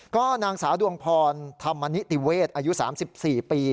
ก็นางสาวดวงพรธรรมนิติเวศอายุ๓๔ปี